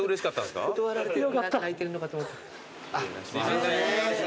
すいません。